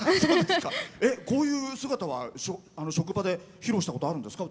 こういう姿は職場で披露したことあるんですか？